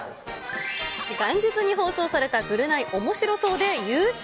元日に放送された、ぐるナイおもしろ荘で優勝。